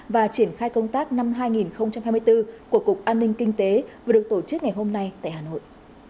và triển khai công tác năm hai nghìn hai mươi bốn của cục an ninh kinh tế vừa được tổ chức ngày hôm nay tại hà nội